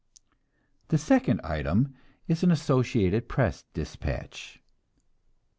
'" The second item is an Associated Press despatch: "ST.